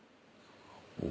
お。